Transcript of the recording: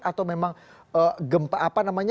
atau memang gempa apa namanya